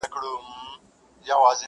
نور مغروره سو لويي ځني کيدله,